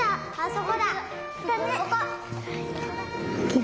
そこ！